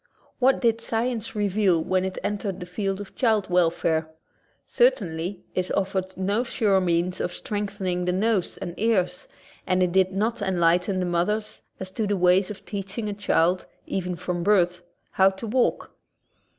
\ What did science reveal when it entered the > field of child welfare? Certainly it offered no sure means of strengthening the nose and ears, and it did not enlighten the mothers as to the ways of teaching a child, even from birth, how to walk.